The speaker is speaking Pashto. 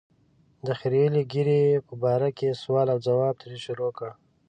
د خرییلې ږیرې په باره کې سوال او ځواب ترې شروع کړ.